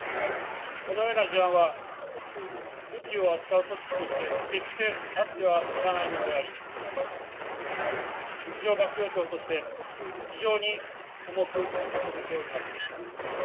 このような事案は武器を扱う組織として、決してあってはならないものであり、陸上幕僚長として非常に重く受け止めております。